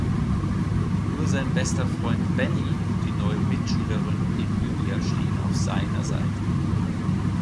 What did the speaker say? Nur sein bester Freund Benni und die neue Mitschülerin Emilia stehen auf seiner Seite.